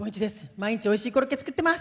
毎日、おいしいコロッケ作ってます！